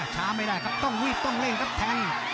ช้าไม่ได้ครับต้องรีบต้องเร่งครับแทง